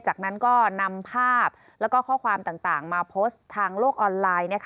จากนั้นก็นำภาพแล้วก็ข้อความต่างมาโพสต์ทางโลกออนไลน์